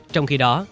trong khi đó